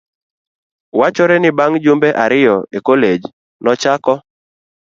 Wachore ni bang' jumbe ariyo e kolej, nochako